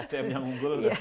sdm yang unggul